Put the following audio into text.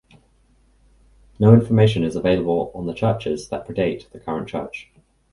No information is available on the churches that predate the current church.